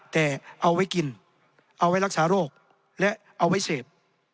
แต่เอาไว้กินเอาไว้รักษาโรคและเอาไว้เสพ